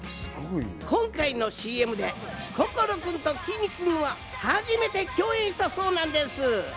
今回のＣＭで心君ときんに君は初めて共演したそうなんです。